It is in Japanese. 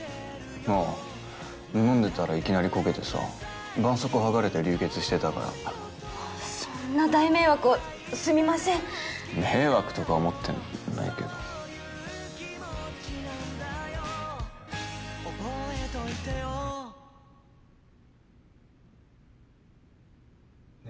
ああ飲んでたらいきなりこけてさばんそうこう剥がれて流血してたからそんな大迷惑をすみません迷惑とか思ってないけどね